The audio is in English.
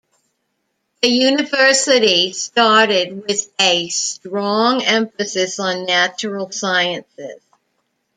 The university started with a strong emphasis on natural sciences.